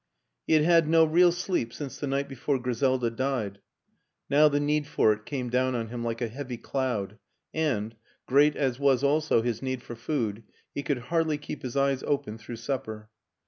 He had had no real sleep since the night before Griselda died; now the need for it came down on him like a heavy cloud and, great as was also his need for food, he could hardly keep his eyes open through supper.